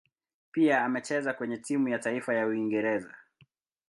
Pia amecheza kwenye timu ya taifa ya Uingereza.